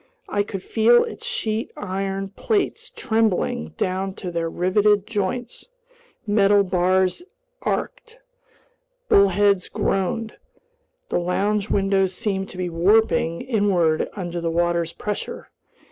I could feel its sheet iron plates trembling down to their riveted joins; metal bars arched; bulkheads groaned; the lounge windows seemed to be warping inward under the water's pressure.